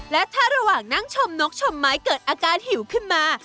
และถ้าระหว่างนั่งชมนกชมไม้เกิดอาการหิวขึ้นมา